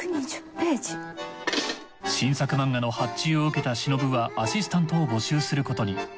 新作漫画の発注を受けた忍はアシスタントを募集することに。